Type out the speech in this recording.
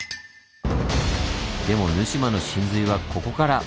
でも沼島の神髄はここから！